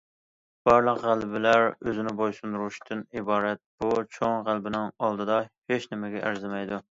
بارلىق غەلىبىلەر ئۆزىنى بويسۇندۇرۇشتىن ئىبارەت بۇ چوڭ غەلىبىنىڭ ئالدىدا ھېچنېمىگە ئەرزىمەيدۇ.